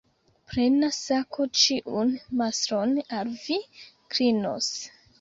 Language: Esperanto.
Plena sako ĉiun mastron al vi klinos.